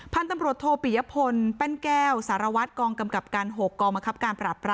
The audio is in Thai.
พันธ์ต้นรถโทพิยพลแป้นแก้วสหราวัดกองกำกับการหมอคเกกองมันครับการปราบปราม